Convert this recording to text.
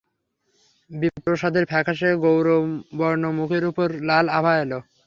বিপ্রদাসের ফ্যাকাশে গৌরবর্ণ মুখের উপর লাল আভা এল।